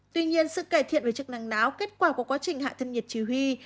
tuy nhiên sự cải thiện về chức năng đáo kết quả của quá trình hạ tân nhiệt chỉ huy